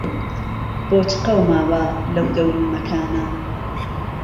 بۆ چ قهوماوه لهو دهور و مهکانه